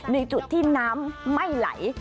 ในจุดที่น้ำไม่ไหล